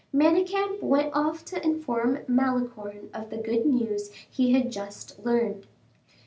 Manicamp went off to inform Malicorne of the good news he had just learned.